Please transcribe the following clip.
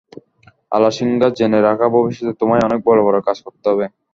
আলাসিঙ্গা, জেনে রেখো ভবিষ্যতে তোমায় অনেক বড় বড় কাজ করতে হবে।